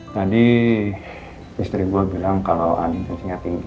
tadi istri gue bilang kalau andin tensinya tinggi